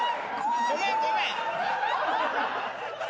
ごめんごめん！